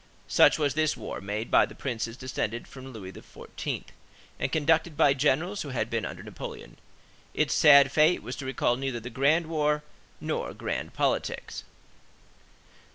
Such was this war, made by the princes descended from Louis XIV., and conducted by generals who had been under Napoleon. Its sad fate was to recall neither the grand war nor grand politics.